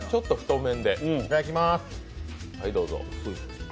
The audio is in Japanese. いただきます。